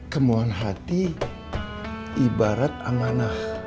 kemauan hati ibarat amanah